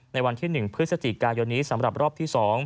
ในวันที่๑พฤศจิกายนนี้สำหรับรอบที่๒